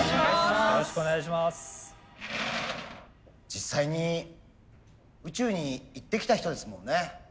実際に宇宙に行ってきた人ですもんね。